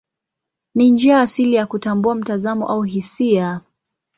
Ni njia asili ya kutambua mtazamo au hisia.